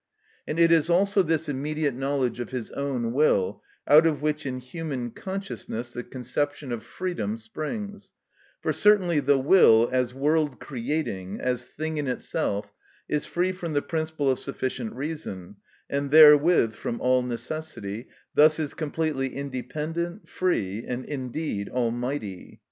And it is also this immediate knowledge of his own will out of which in human consciousness the conception of freedom springs; for certainly the will, as world creating, as thing in itself, is free from the principle of sufficient reason, and therewith from all necessity, thus is completely independent, free, and indeed almighty.